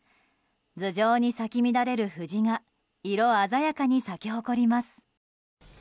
頭上に咲き乱れる藤が色鮮やかに咲き誇ります。